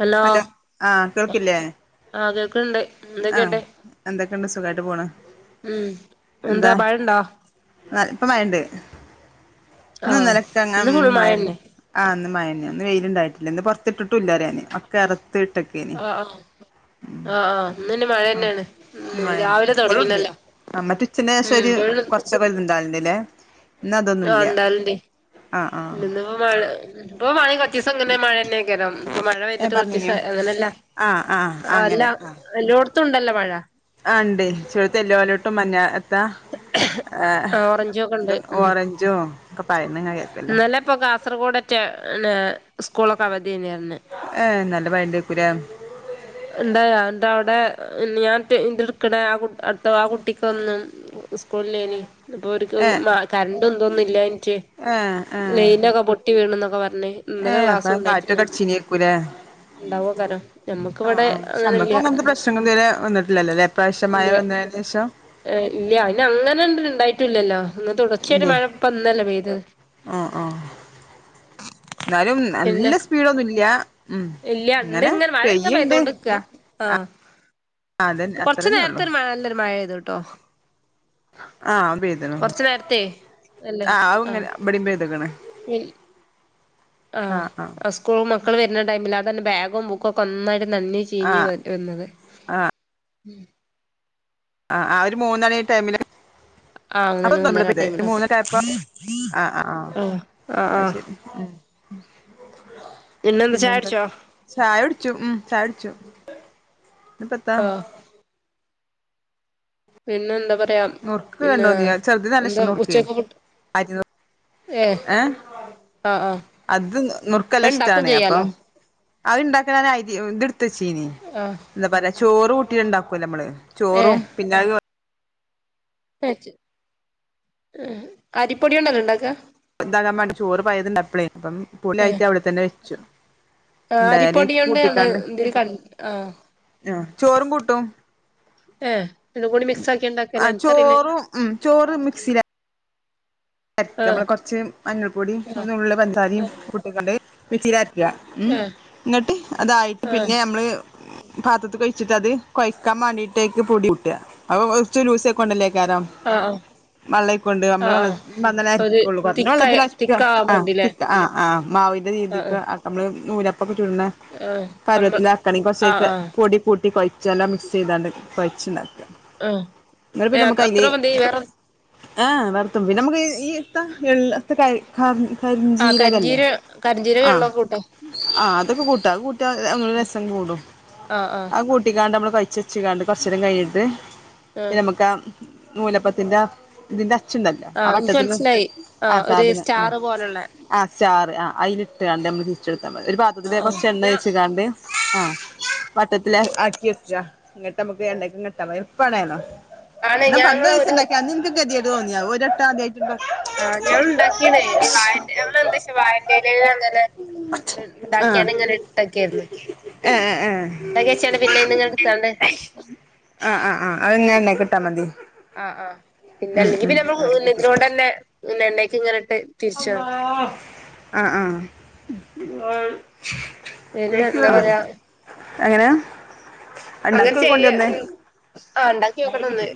Hello ആഹ് കേൾക്കില്ലേ ആഹ് കേൾക്ക്‌നിണ്ട് ആഹ് എന്തൊക്കെണ്ട് എന്തൊക്കെയുണ്ട് സുഖായിട്ട് പോണ് ഉം എന്താ മഴണ്ടാ ഇപ്പ മഴണ്ട് ഇന്നും ആഹ് ഇന്നാലൊക്കെ ഇന്ന് അങ്ങനെ ഫുൾ മഴണ്ട് മഴന്നെ ആഹ് ന്ന് മയന്നെ ഇന്ന് വെയില് ണ്ടായിട്ടില്ല ഇന്ന് പുറത്തിട്ടിട്ടുംല്ലരാന് ഒക്കെ എറത്ത് ഇട്ട്ക്കേനി ആഹ് ആഹ് ആഹ് ആഹ് ഇന്നന്നെ മഴ ആഹ് തന്നെയാണ് ഉം മഴന്നെ രാവിലെ ഇപ്പഴുണ്ട് തുടങ്ങീന്നല്ലോ ഉം ഇബള് ണ്ടാള്ണ്ട്ല്ലേ ഇന്ന് അതൊന്നുല്ല ആഹ് ആഹ് പ്പൊ മഴ ഇപ്പൊ മഴ കുറച്ചീസങ്ങനെ മഴന്നെ ക്കാരം ഇപ്പ മഴ ഏഹ് പെയ്തിട്ട് കുറച്ചീസം പറഞ്ഞീനോ അങ്ങനല്ല ആഹ് ആഹ് അല്ല അങ്ങനെ എല്ലോട് ത്തുണ്ടല്ലോ മഴ ആഹ് ഇണ്ടേ ചെറുത്ത് എല്ലോലോട്ടും മഞ്ഞ ത്ത ആഹ് ഓറഞ്ചും ഒക്കെണ്ട് ഇത് ഓറഞ്ചോ ഒക്കെ പയന്നങ്ങായാ ഇന്നലെ ഇപ്പൊ കാസർഗോഡറ്റ എന്നാ സ്കൂളൊക്കെ അവധിര്ന്നറഞ്ഞ് ഏഹ് നല്ല മയണ്ടേക്കൂല്ലേ എന്തായ എന്ത അവിടെ ഞാൻ റ്റ് ന്റെടുക്കണേ ആ കുട്ട് അടുത്ത ആ കുട്ടിക്കൊന്നും സ്കൂളില്ലേനി അപ്പൊര്ക്ക് ഏ കറണ്ട് ന്തോന്നുംല്ലാഞ്ഞിട്ട് ഏ ഏ ലൈയിനൊക്കെ പൊ ട്ടി വീണെന്നൊക്കെ പറഞ് ഏ ഇന്നലെ അപ്പ ക്ലാസ്സും ഉണ്ടായിട്ടില്ല കാറ്റൊക്കെ അടിച്ചീനേക്കൂലേ ഉണ്ടാവോക്കാരം മ്മക്ക് ആഹ് ആഹ് ക്ഷെ നമുക്ക് അങ്ങനത്തെ പ്രശ്നങ്ങൾ ഇതരെ വന്നിട്ടില്ലല്ലോല്ലെ ഇപ്രാവശ്യം ഇല്ല മയ വന്നതിന് ശേഷം ഇല്ല അയ്ന് അങ്ങനെണ്ട് ഇണ്ടായിട്ടൂല്ലല്ലോ ഒന്ന് തുട ർച്ചായിട്ട് ഇല്ലേ മഴപ്പന്നല്ലേ പെയ്തത് ആ ആ പിന്നെ ളൊന്നും ഇല്ല ഇല്യ ണ്ട് ങ്ങനെ മഴ ഇങ്ങ നെ പയതകൊണ്ട് ക്ക അതന്നെ ആകൊറച്ചു അത്രന്നെ ഉള്ളു നേരത്തെ ഒരു മഴ നല്ലരു മഴെയ്തു ട്ടോ ആഹ പയ്തു കൊറച്ചു നേരത്തെ നല്ല ആ അ ഉങ്ങനെ ആഹ് ബടി പെയ്തക് ണ്. ആഹ് ആ സ്കൂള മക്കൾ വരുന്ന ആ സ്‌കൂളിന് മക്കള്വർണടൈമിൽ അത ന്നെ ബാഗുംബുക്കും ഒക്കെ ഒന്നായിട്ട് നനഞ്ഞ് ചീഞ്ഞ ആഹ് വര് എന്നത് ആ ആ ഒരു മൂന്നണി ടൈമില് ആഹ് അപ്പൊ മൂന്നര തെമിന മൂന്നര പിന്നെ നി ടൈമിലൊക്കെ മൂന്ന ടൈപോ ആ ആ ആ ആഹ് ആഹ് അ ആഹ് ത്ശരി പിന്നെന്താ പിന്നെ ന്താ ചായുടിച്ചോ ചായുട്ച്ചു ഉം ചായുട്ച്ചു ഞ്ഞ്പ്പത്താ ആഹ് പിന്നെ എന്താ പറയാ നൂർക്ക് പിന്നെ വേണ്ടോന്നിയ ചെറുത് നല്ല എന്താ ഇഷ്‌ടാ ഉച്ചക്ക് ഫുഡ് അരി നുർക്ക് ഏഹ് ഏ ആഹ് ആഹ് അത് നുറക്ക ല്ല അത് ഇണ്ടാക്കും ശ്ടാകണ് അപ്പം ചെയ്യാലോ അഹ്ണ്ടാക്കാനൻ ഹരിത് ട് ത്ത ച്ചീനി ആഹ് എന്താ പറയാ ചോറൂട്ടിണ്ടാക്കൂല്ലോലെ നമ്മള് ചോറും പിന്നെ വെച്ച അരിപ്പൊടിിയോ ണ്ടല്ലെ ണ്ടാക്ക പ്പതാകാൻ മാണ്ട ചോറ് പയത ണ്ടായ പ്പളേഅപ്പം പുലായിട്ട ഏഹ് വ തെ തന്നെ വെച്ചു ആഹ് അരിപ്പൊടിയോണ്ട് ആണ് ണ്ടായാല്കൂട്ടിക്കാണ്ട് ഇതില് ക ആഹ് ആ ചോറും കൂട്ടും. ഏഹ് രണ്ടും കൂടി മിക്സ് ആക്കി ആ ഇണ്ടാക്കലാ എനിക്കറിയില്ലേനു ചോറും ഉം ചോറ് മിക്സിലെ ആഹ് നമ്മള് കൊറച്ച് മഞ്ഞൾ പൊടിയ ഒരു ആഹ് നു ള്ള് ഫൻ സാരിയ ആഹ് കുട്ടിികാണ്ട് മിക്സി ലർക്ക ഉ ഏഹ് ഇന്നങ്ട്ട് അതായിട്ട് ആഹ് പിന്നെ നമ്മള് പാത്രത്ത് കൊഴിച്ചിട്ടത് കൊഴക്കാൻ മാണ്ടിട്ടയ്ക്ക് പൊടി ട്ക്ക ഔ അവു ച്ച് ലൂസ് ആയിക്കൊണ്ടല്ലേ കാരം ആഹ് ആഹ് മള്ളായ് ക്കൊണ്ട് ആഹ് നമ്മളാണ് ആഹ് മ്മങ്ങന ഒരു അരക്കുള്ളൂ കുഞ്ഞ തിക്കായ വെള്ളത്തിലർക്ക തിക്കാവാൻ ആഹ് വേണ്ടില്ലേ ആഹ് ആഹ് മാവിന്റെ ആഹ് രീതിക്ക് നമ്മള് നൂലപ്പൊക്കെ ചുട്ണ ആഹ് നമ്മള് പരുവത്തിലാക്കണങ്കി ആഹ് കുറച്ചക്കെ ആഹ് പൊടി കൂട്ടി കൊയച്ചെല്ലാം മിക്സ് യ്താണ്ട് കൊഴച്ച്ണ്ടാക ആഹ് ന്ന പിന്നെ ഏഹ് അത്ര നമക്കയ്യില് മതി വേറെ ആഹ് വേറത്തും പി നമക്ക് ഈ ഇത്ത എൾ ക ക കരി ആഹ് ജീരകല്ലേ കരിഞ്ചീര കരിഞ്ചീരകം ആഹ് ഉള്ള കൂട്ടോ ആഹ് അതൊക്കെ കൂട്ടാ അത് കൂട്ട്യാ ഒന്നൂടെ എരസം കൂടും ആഹ് ആഹ് ഔ കൂട്ടിക്കാണ്ട് നമ്മൾ കഴിച്ചച്ച്കാണ്ട് കുറച്ചേരം കഴിഞ്ഞിട്ട് പിന്നെ നമുക്ക് ആഹ് നൂലപ്പത്തിന്റെ തിന്റെ ച്ച് ണ്ടല്ലൊ ആഹ് എനിക്ക് മനസ്സിലായി ആഹ് ഒരു ആഹ് സ്റ്റാറ് പോലെള്ള ആഹ് ചാറ് ആഹ് അതില ഇട്ട് കണ്ടേ നമ്മള് ഞമ്മള്തിരിച്ചെടുത്താൽ മതി ഒരു ആഹ് പാത്രത്തില് ആഹ് ഞാ കൊറച്ചെണ്ണൊയ്ച്ച്ക്കാണ്ട് ആഹ് വട്ടത്തില് ആക്കിക്ക ഇങ്ങട്ട്മ്മക്ക് എണ്ണേ ക്കിങ്ങനിട്ടാ മതി എൾപ്പാണേണ്ടൊ ആണ് ന്നാ ഞങ്ങള് ഒരു പണ്ടൊരീസണ്ടാക്കി അന്നിനിക്ക് കെതിയാട്തോന്നി അത് ഓരട്ടാ ആദ്യ ആഹ് ഞാൻ ഉണ്ടാക്കീണേ വഴേൻ്റെ ഞാൻ ഉദ്ദേശിച്ചെ വാഴെൻ്റെ ഇലയിൽ അങ്ങനെ ആഹ് ഉണ്ടാക്കിയണ്ട് അങ്ങനെ ഇട്ടക്കൊയിരുന്ന് ഏ ഏ അത് ജാർച്ചാണ്ട് പിന്നയ്നിങ്ങനി എടുത്താണ്ട് ആഹ് ആഹ് ആഹ് അത് ഇങ്ങനെ കിട്ടാ മതി ആഹ് ആഹ് പിന്ന ഉം അല്ലെങ്കി ഉം പിന്നെ തിനോണ്ട്ന്നെ എണ്ണക്ക് ഇങ്ങനെ ഇട്ട് തിരിച്ചു അള്ള ആഹ് ആഹ് പിന്നെന്താ പറയ എങ്ങനെ അങ്ങനെ ഉണ്ടാക്കി ചെയ കൊണ്ടന്നെ ആണ്ടാക്കി നോക്കണം ഒന്ന്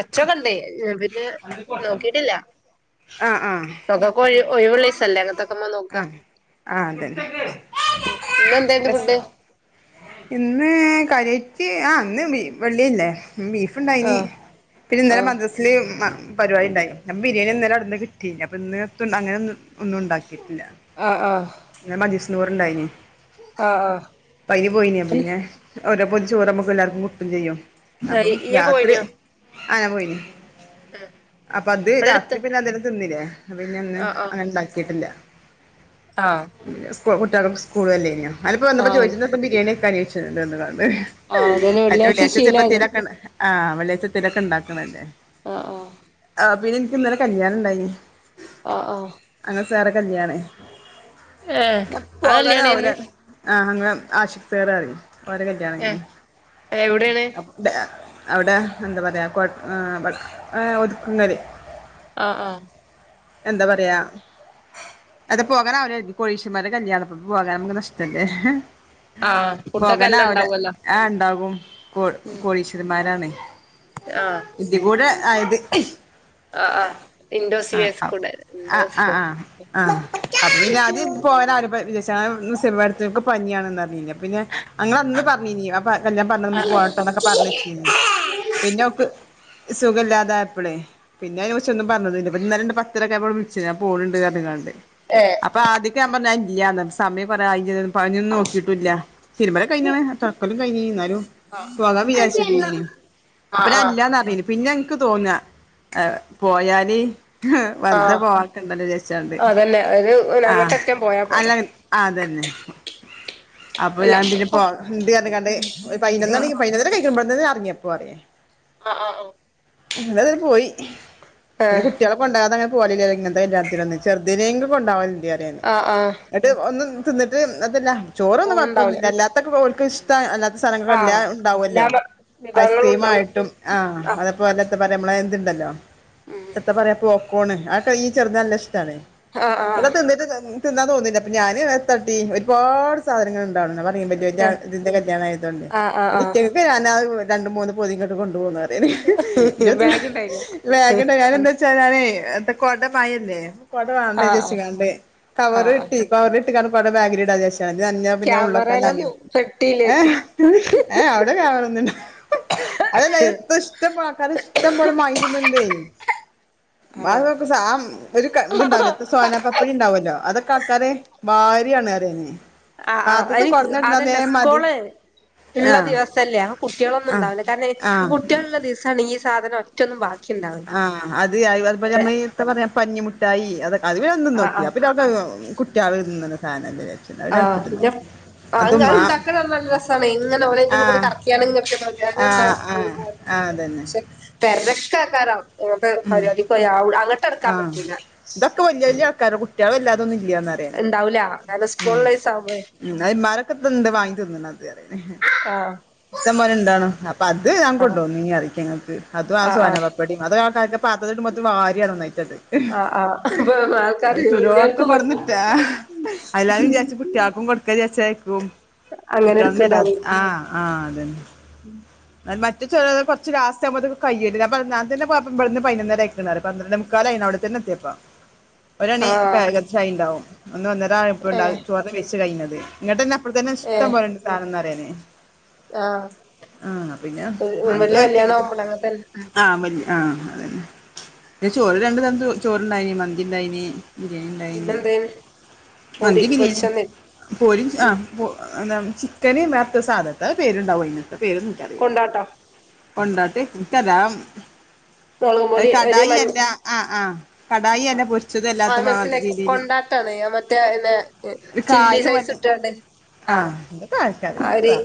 അച്ചു ഒക്കെ ഒണ്ട് പിന്നെ നോക്കിട്ടില്ല ആഹ് ആഹ് മക്കക്ക് ഒഴി ഒഴിവുള്ള ദിസല്ലേ അങ്ങത്തൊക്കമ്മ നോക്ക ആഹ് ആഹ് അതന്നെ ഇന്ന് എന്തായിരുന്നു എസ് ഫുഡ് ഇന്ന് കാര്യയ്റ്റ് ആഹ് ഇന്ന് മി വെള്ളി അല്ലേ ബീഫ് പ്പുണ്ടായിനി ആഹ് പിന്നെന്നലെ ആഹ് മദ്ർസ് സിലി മ പരിപാടിണ്ടായി നിപ്പ ബിരിയാണിന്നലെ അടുന്ന് കിട്ടി അയ്നി അപ്പൊ ഇന്ന് എത്തും അങ്ങനെന്ന് ഒന്നും ഉണ്ടാക്കിട്ടില്ല ആഹ് ആഹ് ഇന്ന് മജീസ്നൂർണ്ടായിനിം ആഹ് പ്പയിൻ പോയിനപ്പോ ആഹ് പിന്നെ ഓരോ പൊതി ചോറ്മ്മുക്ക് എല്ലാർക്കും കിട്ടും ചെയ്യും അപ്പം ആഹ് ഇയ്യ് രാത്രി പോയിനോ ആഹ് നൻ പോയിനി അപ്പൊ അത് ഇവിടെ രാത്രി അടുത്ത് പിന്നെ എന്തേലും തിന്നില്ലേ അപ്പോ പിന്നെ ഇന്ന് ആഹ് ആഹ് അങ്ങനെ ഇണ്ടാക്കിട്ടില്ല ആഹ് സ് കുട്ടേളും കുട്ടികൾക്ക് സ്കൂള്ളുലെനിയോ അയനെപ്പോ വന്നപ്പോ ആഹ് ചോദിച്ചം ബിരിയാണി വെക്കാഞ്ഞേ ചോയ്ച്ചണ്ട് വന്ന്ങ്ങാണ്ട് അതന്നെ വെള്ളിയാഴ്ച ശീല ആകും ആഹ് വെള്ളിയച്ചത്തെലോക്കെ ഉണ്ടാക്കണല്ലേ ആഹ് ആഹ് ആഹ് പിന്നെ ഇനിക്ക് ഇന്നലെ കല്യാണ ഇണ്ടായിനി ആഹ് ആഹ് ഞങ്ങളെ സാറെ കല്യാണ ഏഹ് ആ പോകാനാവൂല കല്യാണായിരുന്നു ആഹ് അങ്ങനെ ആശിക്പേരാ പറയും ഓരെ കല്ലിയാണെനി എവിടെണ് അവിടെ എന്താ പറയാ ക്കോ ഏഹ് ഒതുക്കുങ്ങൽ ആഹ് ആഹ് എന്താ പറയാ ആടെ പോകാനാവൂല കരുതി കോടിശ്വാരന്മാരെ കല്യാണത്തിന് പോകൻ നമുക്ക് നഷ്ടല്ലേ ആഹ് ഫുഡൊക്കെ പോകാൻ എല്ലാം ആല ഉണ്ടാവുമല്ലോ ആഹ് ഉണ്ടാകും കോ കോടീശ്വരമാരാണ് ആഹ് ഇതി കൂടെ ആയത് ആഹ് ആഹ് ഇൻഡോർ ആഹ് സിവേസ് അപ് കൂടെ ആ ഇൻഡോർ ആഹ് ആഹ് ആഹ് അപ്പൊ പിന്നെ ആദ്യ പോവല അരിപ്പൊ വിശടേതൊക്ക [unintelligible] പനിയാണന്നറിഞ്ഞിനി അപ്പോ പിന്നെ അങ്ങൾ അന്ന് പറഞ്ഞനി അപ്പൊ കല്ലിയാണം പറഞ്ഞ പോവട്ടോന്നൊക്കെ പറഞ്ഞച്ചിനി പിന്നെ ഓക്ക് സുഖമല്ലാതായപ്പളെ പിന്നെ അതിന കുറച്ച് ഒന്നും പറഞ്ഞതുല്ല പിന്നെ ഇന്നലെ ഒണ്ട് പത്തരയൊക്കെ ആയപ്പം - ഞാൻ പോണുണ്ട് പറഞ്ഞങാണ്ട് ഏഹ് അപ്പൊ ആദിയമൊക്ക ഞാൻ പറഞ്ഞ് അത് ഇല്ല സമയം കുറേ ആയി ചെയ്‌ത്ക്കണ് പണി ഒന്നും നോക്കിട്ടുല്ല തിരുമ്പൽ കഴിഞ്ഞ്ണ് തൊടകളും കഴിഞ്ഞന് എന്നാലും- പോകാൻ വിചാരിച്ചിട്ടില്ലെനിം അപ്പൊ ആഹ് ഞാൻ ആഹ് ഇല്ലാന്നറഞ്ഞിനിം പിന്നെ ഇനിക്ക് തോന്നാ പോയല്- വെറുതെ ആഹ് പോവാക്കണ്ടല്ലോ വെച്ചാണ്ട് അതന്നെ ഒരു ആഹ അങ്ങോട്ടൊക്കെ പോയാ അല്ല പോരെ ആഹ് അതന്നെ അപ്പൊ അല്ല ഞാൻ പിന്നെ ഇണ്ട് പറഞ്ഞ്ങ്ങാണ്ട് ഒരു പയിനൊന്ന് മണിക്ക് - കഴിക്ക്പോതത് അറിഞ്ഞപ്പോ അറിയെ ആ ആഹ് ആ ഞങ്ങള് ഇന്നലെ പോയി പിന്നെ ആഹ് കുട്ടികളും- കൊണ്ടാകാത അങ്ങനെ പോവലില്ല ഇങ്ങനത്തെ കല്ലിയാണതിനു ചെറുതിനെങ്കിലും കൊണ്ടാവലു [unintelligible] ണ്ടറിയ ഞാൻ അറിയേ ആഹ് ആഹ് എന്നിട്ട് ഒന്നും തിന്നിട്ട് അതല്ല ചോറൊന്നും പോണുണ്ടാവൂല കൊഴപ്പൊന്നില്ല അല്ലാത്തൊക്കെ ഓൾക് ഇഷ്ട അല്ലാത്ത- സാധനങ്ങൾ എല്ലാം ആഹ് എല്ലാ ഇണ്ടാവൂലോ ഐസ് വിഭവങ്ങളും ക്രീം ഉണ്ടാവും ആയിട്ടും- ആഹ് അപ്പ അല്ല എത്താ പറയാ നമ്മളെ ഇത് ഉണ്ടല്ലോ എത്ര പറയാ പോപ്ക്കോണ് അതൊക്കെ ഈ ചെറുതിന് നല്ല ഇഷ്ടാണ് ആഹ് ആഹ് ഇങ്ങനെ തിന്നിട്ട തിന്നാൻ തോന്നില്ല അപ്പൊ ഞാന് അതിനാത്ത് തട്ടി ഒരുപാട് സാധനങ്ങൾ ഇണ്ടാവടേ ഇതിന്റെ കല്യാണ ആയതൊണ്ട് ആഹ് ഇന്നട്ട് ആഹ് ഇറ്റങ്ങക് രണ്ട മൂന്ന് പോതി ഓക്കെ ഇങ്ങോട്ട് കൊണ്ടു പൊന്നു ബാഗ് ഉണ്ടായിനോ ബാഗിന്റെ കാര്യം എന്താ വെച്ചാൽ- ച്ച ഞാനേ കൊട മയല്ലേ കൊട വേണ്ട ആഹ് ആഹ് വിചാരിച്ചാണ്ട് ആഹ് കവറിൽ ആഹ് ഇട്ട് - കവറിൽ ഇട്ട്ങ്ങാണ്ട് കോട ബാഗിൽ ഇടാ വിചാരിച്ചു അത് നനഞ്ഞാൽ പിന്നെ ഉള്ളൊക്കെ നനയും ക്യാമറയിലൊന്നും പെട്ടിയില്ലായിരിക്കും ആഹ് ഏ അവിടെ കവറോന്നുല്ല അതല്ല ഇപ്പൊ ഇഷ്ടംപോലെ ആൾക്കാർ ഇഷ്ടംപലെ വാങ്ങി കൊണ്ടേ അത് ആഹ് നമക്ക് സാ ആ ഒരു ഇതുണ്ടാവില്ല സോനാ- സോനപപ്പടി ഇണ്ടാവല്ലോ അതൊക്കെ ആൾക്കാര് വാരിയാണ് എറിയുന്നേ ആഹ് ആഹ് അയിന് അതല്ല സ്കൂളയെ ഉള്ള ആഹ് ദിവസമല്ലേ ആ കുട്ടികളൊന്നും ആഹ് ഉണ്ടാവില്ല കാരണം ഈ ആഹ് കുട്ടികള ഉള്ള ദിവസാണ് ഈ സാധനം- ഒറ്റന്നും ബാക്കിണ്ടാവും ആഹ് അത് അതുപോലെ നമ്മളീ എന്താ പറയാ പഞ്ഞിമുട്ടായി അതൊ അത് പിന്നെ ഞാനൊന്ന് ആഹ് തിന്നോക്കി. ആഹ് അ- [unintelligible] കുട്ട്യാൾ തിന്ന്ണ ഒരു സാധനം അല്ലെ ആഹ് പിന്നെ. ആ അത് ഇണ്ടാക്കണ നല്ല രസാണ് ഇങ്ങനെ ഓൽ അയ്ന്റെ ഉള്ളുകൂടെ ആഹ് കറക്കിയാണ്. ആഹ് ആഹ് [unintelligible] ആഹ് അതന്നെ പക്ഷെ തെരക്കേക്കാരം അങ്ങത്തെ ഉം പരിപാടിക്ക് പോയാൽ ആവൂല അങ്ങട്ട് അടുക്കാൻ ആഹ് പറ്റുല്ല. ഇതൊക്കെ വല്ല്യ വല്ല്യ ആൾക്കാര കുട്ട്യാൾ വല്ലാതൊന്നും ഇല്ലന്നറിയാ. ഇണ്ടാവുല്ല കാരണം സ്കൂൾ ഉള്ള ദിവസം ആവുമ്പളെ. ഇന്നാ ഇവന്മാര് ഒക്കെ ഇത്‌ എന്താ വാങ്ങി തിന്നണത് ആഹ് ഇഷ്ടം പോലെ ഉണ്ടണോ അപ്പൊ അത് ഞാൻ ആഹ് കൊണ്ടോന്നീനി അറിക്കാം [unintelligible] ങ്ങക്ക് അതും അ ആഹ് ആഹ് സോനാപ്പപൊ. ഇവിടെയും അത് കാരണം എന്റെ പാത്തത്തില് മൊത്തം വാരി ഇടുമ്പോത്തിന് വാരിയാണ് ഒന്നായി റ്റത്. ആഹ് ആഹ് അപ്പൊ അത് ആൾക്കാര് ചുടോടെക്കെ വല്ല്യോൽക്കും കൊട്ന്ന്. പറ്റും ആഹാ അല്ലാരും വിചാരിച്ച് കുട്ട്യാൾക്കും കൊടുക്കാ വിചാരിച്ചേക്കും. അങ്ങനെ കുട്ട്യാളന്ന രാ ത് ആഹ് ആഹ് അതന്നെ. ഉംഹ്. [unintelligible] മറ്റ ചെറ കെർ [unintelligible] ച്ച് ലാസറ്റ് ആവുമ്പോത്തിന് കയ്യൊ പ്പം ന്നാൾത്ത [unintelligible] ന്നെ പോയപ്പം ഇവിടന്ന് [unintelligible] പയ്നൊന്നര ആയ്ക്ക്ണ് റ പന്ത്രണ്ടേമുക്കാലായീന് അവിടെ. ചെന്ന് എത്തിയപ്പം ഒരുമണി ഒക്കെ ആഹ് ഏകദേശം ആയിണ്ടാവും ഒന്ന് ഒന്നര ആയപ്പണ്ട് ഏഹ് ചോറ് വെയ്ച്ച് കഴിഞ്ഞത്. ഇങ്ങട്ട്ന്നെ അപ്പഴത്തന്നെ ഏഹ് ഇഷ്ടംപോലണ്ട് സാധാന്ന് പറയാന്. ആഹ്. ആഹ പിന്നെ വല്യ കല്യാണം അ ആവുമ്പള് അങ്ങൻതന്നെ [unintelligible] ആ മല്ലി ആഹ് അതന്നെ ചോറ് രണ്ട് തരത്ത് ചോറ് ഉണ്ടായിനീ മന്തി ഉണ്ടായിനീ. ബിരിയാണി ഇണ്ടായിന് പിന്നെന്തേനി പൊരി മന്തി ബിരിയാനിം പൊരിച്ചന്നേനി പൊരിചാ ഉം ആ- പൊ എന്താ ചിക്കന് വേറത്തോ സാധത്ത് പേരുണ്ടാവും അയന് പേര് ഒന്നും എനിക്ക്കറീല്ല. കൊണ്ടാട്ടോ കൊണ്ടാേട്ടെ ഇൻകതാം. മുളകും എ പൊടി ഒരു കടായി മഞ്ഞ അല്ല ആഹ്‌ ആഹ്‌ കടായി അല്ല പൊരിച്ചതു അല്ലാത്ത മാതിരി. ത്തണ് അ മറ്റേ എ പിന്നെ ചില്ലി കായും അൽ സൈസ്ട്ടാണ്ട്. ആഹ് ഇതൊക്ക ആർക്കറിയാ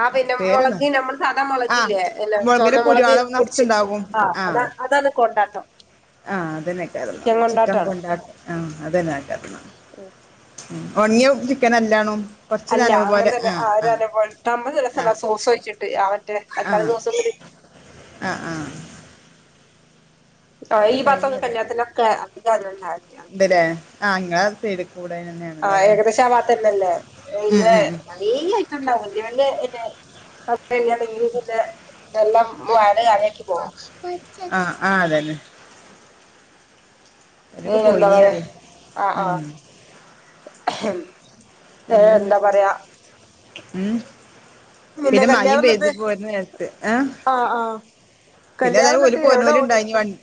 ആ പിന്നെ മുളക് പേരൊന്നൊറീ നമ്മൾ സാധാ ആഹ്‌ മുളകില്ലേ പിന്നെ മു ചുവന്ന മുളക് കുരിയോള് പൊടിച്ച് നർച്ച്ണ്ടാവും. ആഹ് ആ അതാ അതാണ് കൊണ്ടാട്ടം ആ അതിന്നെക്കാരം ന്ന ചിക്കൻ കൊണ്ടാ. അ അ അതന്നെ ആക്കതിര്ന്നെ [unintelligible] ഒന്നിങ്ങിയാ ചിക്കനല്ലാണു. അല്ല അങ്ങനെ തന്നെ ആ തമ്പ് ആ രസല്ല സോസൗച്ചിട്ട് ആ മറ്റേ തക്കാളി സോസും കുടി. ആഹ് ആഹ്‌ ആ ഈ ഭത്തൊക്കെ കല്ല്യാത്തിനൊക്കെ അധിക ആരു ഇണ്ടാവില്യ. ണ്ട്ല്ലേ. ആ ഇങ്ങള സൈഡ് കൂടെ ന്നെയാണ്. ആഹ് ഏകദേശം ആ ഭാത്തല്ലല്ലേ ഉം എല്ലേ ഉം ഉം കൊറേ അയിറ്റം ഉണ്ടാവു വെല്യ വെല്യേ ഇലെ [unintelligible] ഇനി പിന്നെ എല്ലാം [unintelligible] പോവും ആഹ് ആഹ് അതന്നെ. ഏ അതൊക്കെ എന്താ പറയാ പൊലിഞ്ഞിരിയ ഉം. ഏ പിന്നെ എന്താ എന്തൊക്കെ പറയാ. ഉം പിന്നെ മഴയും കല്യാണം പെയ്ത് ന്ന്ട്ട് പോരുന്ന നേരത്ത് ഏ ആഹ്‌ ആഹ്. പിന്നെ ഏതായാലും ഓല് കല്യാണന്നിട്ട് എവിടെ പോരുന്നോല് ഓഡി ഇണ്ടായിനി വണ്ടി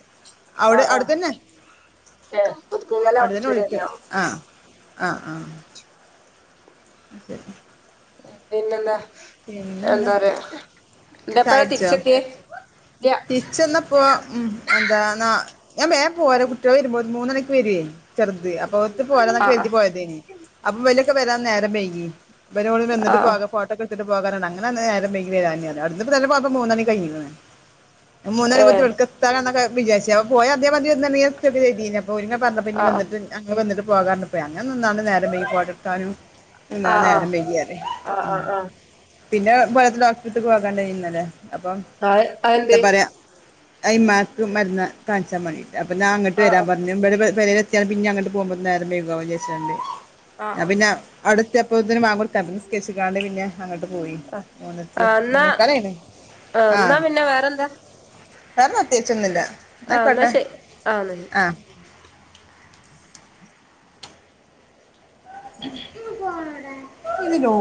അവിടെ ആഹ്‌ അവിടെ ആഹ്. തന്നെ ഏ പുതുക്കങ്ങല്ല ഓഡിറ്റോറിയ കല്യാണം ആഹ് ആഹ്‌ ആഹ്. [unintelligible] പിന്നെന്താ പിന്നെന്താ എന്താറയാ പിന്നെപ്പഴാ തിരിച്ചെത്തിയെ ഇല്ല്യ ചെന്നപ്പോ ഉം എന്താ നാ വേം പോര കുട്ടികള് വരുമ്പോ മൂന്നരക്ക് വരേ. ചെറുത് അപ്പൊ ഓര്ത്ത് ആഹ് പോവാലൊന്നൊക്കരുതി പോയതേന് അപ്പോ ഇവലൊക്കെ വരാൻ നേരം വൈകി ഇബാരോട് ആഹ് ആഹ് നിന്നിട്ട്പ്പാകെ ഫോട്ടോക്കെട് ട്ട് പോകാനാണ് അങ്ങനെതെന്നെ നേരം വൈകിലെ ഞാന് അട്ന്ന്പ്പൊതെന്നെപ്പൊ മൂന്നണി കയിഞ്ഞ്ക്ക്‌ണ് മൂന്നണിയാവുമ്പത്തിന് ഏഹ് ഇവടെക്കെത്താനാകുംന്നൊക്കെ വിചാരിചെ അപ്പൊ പോയാ അതേപതിയെന്ന്ങ്ങെ എത്തുംന്ന്കരുതി അപ്പോല്ങ്ങനെ പറഞ്ഞപ്പൊ പിന്നെ ആഹ് വന്നിട്ട് ഞങ്ങ വന്നിട്ട് പോകാറഞ്ഞ്പ്പോയി അങ്ങനെ നിന്നാണ് നേരം വൈകിപ്പവടെത്താനും ന്ന്ന് ആഹ് ആഹ് നേരം വൈകിപറയ ആഹ് ആഹ് ആഹ് പിന്നെ ബോലത്ത ഡോക്ടർട്ത് പോകാൻണ്ടായി ഇന്നലെ അപ്പൊ ആഹ് അതെന്തേ എന്താപറയാ അയ്യുമ്മാകുമെന്നെ മരുന്ന് കാണിച്ചാമതി അപ്പൊ ഞാ അങ്ങ്ട്ട് ആഹ് ആഹ് വരാമ്പറഞ്ഞു ഞാമ്പരവ് പെരേലെത്തിയാ പിന്നെയങ്ങ്ട്ട് പോകുമ്പോ നേരംവൈകു വിചാരിച്ചാണ്ട് ആഹ് ഞാ ആഹ് പിന്നെ അടെത്തിയപ്പോത്തിന് വാങ്കൊട്ക്കാപ്പൊ നിസ്കച്ച്ക്കാണ്ട പിന്നെ അങ്ങ്ട്ട് പോയി ആ മൂന്നരക്ക് എന്നാ മൂന്നെക്കാലായിന് എന്നാ ആഹ്. പിന്നെ വേറെന്താ വേറെ പ്രതേകിച്ചൊന്നുല്ല ആ എന്നാ ആയിക്കോട്ടെ ശരി ആ എന്നാ ശരി ആഹ് [inaudible] ഇതിലോ